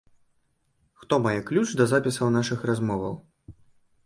Хто мае ключ да запісаў нашых размоваў?